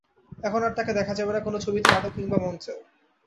এখন আর তাঁকে দেখা যাবে না কোনো ছবিতে, নাটকে কিংবা মঞ্চে।